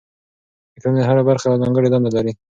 د ټولنې هره برخه یوه ځانګړې دنده لري.